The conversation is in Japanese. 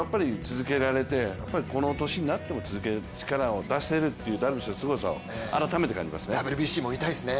だからこの年になっても続けられる力を出せるというダルビッシュのすごさを改めて感じますね。